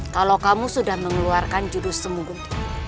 kalau kamu sudah mengeluarkan judus semuguntung